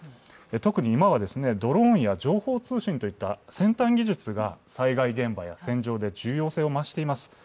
特に今はドローンや情報通信といった先端技術が災害現場や戦場で重要性を増しています。